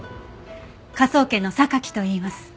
科捜研の榊といいます。